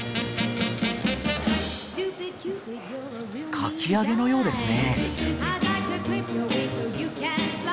かき揚げのようですね。